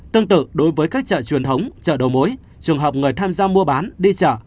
tương tự đối với các chợ truyền thống chợ đầu mối trường hợp người tham gia mua bán đi chợ